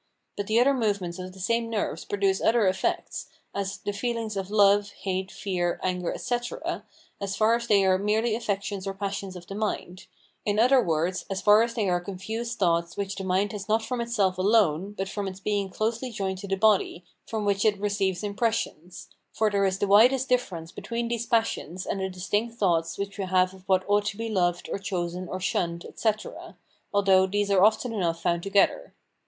But the other movements of the same nerves produce other effects, as the feelings of love, hate, fear, anger, etc., as far as they are merely affections or passions of the mind; in other words, as far as they are confused thoughts which the mind has not from itself alone, but from its being closely joined to the body, from which it receives impressions; for there is the widest difference between these passions and the distinct thoughts which we have of what ought to be loved, or chosen, or shunned, etc., [although these are often enough found together].